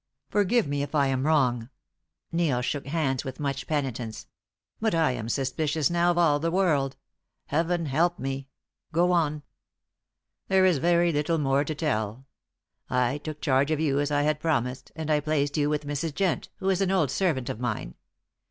"Forgive me if I am wrong." Neil shook hands with much penitence. "But I am suspicious now of all the world. Heaven help me! Go on." "There is very little more to tell. I took charge of you as I had promised, and I placed you with Mrs. Jent, who is an old servant of mine.